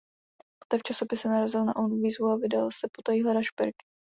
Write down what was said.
Poté v časopise narazil na onu výzvu a vydal se potají hledat šperky.